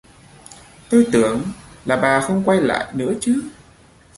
Tôi tưởng là bà không quay lại nữa chứ